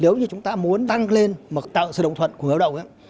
nếu như chúng ta muốn tăng lên mà tạo sự đồng thuận của người lao động